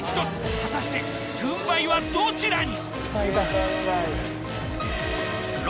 果たして軍配はどちらに？